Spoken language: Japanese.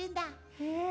へえ。